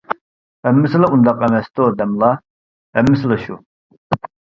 ھەممىسىلا ئۇنداق ئەمەستۇ دەملا؟ ھەممىسىلا شۇ.